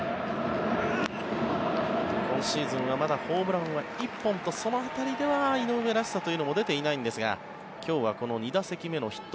今シーズンはまだホームランは１本とその辺りでは井上らしさというのも出ていないんですが今日は２打席目のヒット